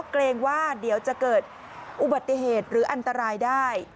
เกรงว่าเดี๋ยวจะเกิดอุบัติเหตุหรืออันตรายได้